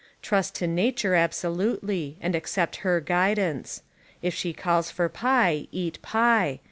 Trust to Nature ab solutely, and accept her guidance. If she calls for pie, eat pie.